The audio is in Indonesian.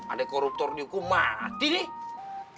ada koruptor di hukum mati nih